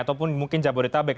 ataupun mungkin jabodetabek